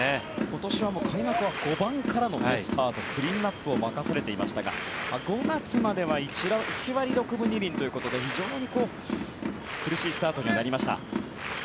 今年は開幕は５番からのスタートクリーンアップを任されていましたが５月までは１割６分２厘ということで非常に苦しいスタートになりました。